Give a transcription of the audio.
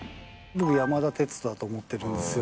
山田哲人だと思ってるんですよ。